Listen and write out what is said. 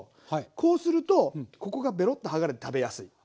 こうするとここがベロッと剥がれて食べやすい。